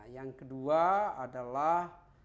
yang kedua adalah